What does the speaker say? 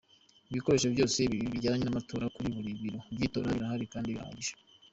Ibikoresho byose bijyanye n’amatora kuri buri biro byitora birahari kandi birahagije.